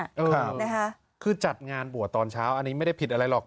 เออนะคะคือจัดงานบวชตอนเช้าอันนี้ไม่ได้ผิดอะไรหรอก